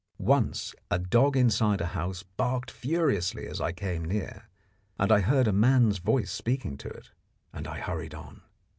Once a dog inside a house barked furiously as I came near, and I heard a man's voice speaking to it, and I hurried on.